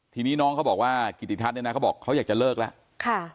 ทีนี้น้องเขาบอกว่ากิติทัศน์เนี่ยนะเขาบอกเขาอยากจะเลิกแล้ว